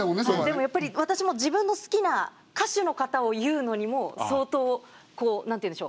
でもやっぱり私も自分の好きな歌手の方を言うのにも相当何ていうんでしょう葛藤がありました。